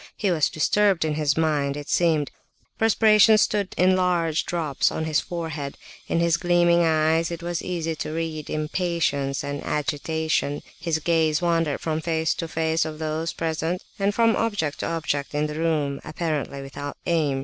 He was disturbed in his mind, it seemed; perspiration stood in large drops on his forehead; in his gleaming eyes it was easy to read impatience and agitation; his gaze wandered from face to face of those present, and from object to object in the room, apparently without aim.